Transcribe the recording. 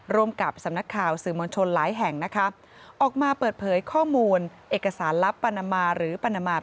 ร่วมกับสำนักข่าวสื่อมวลชนหลายแห่งนะคะออกมาเปิดเผยข้อมูลเอกสารลับปานามาหรือปานามา